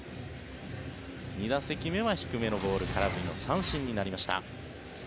２打席目は低めのボール空振りの三振になりました。